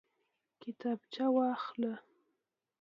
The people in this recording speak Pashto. کتابچه واخله